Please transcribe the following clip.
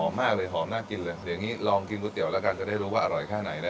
มากเลยหอมน่ากินเลยเดี๋ยวนี้ลองกินก๋วเตี๋แล้วกันจะได้รู้ว่าอร่อยแค่ไหนนะ